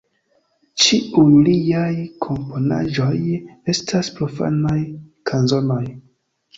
Ĉiuj liaj komponaĵoj estas profanaj kanzonoj.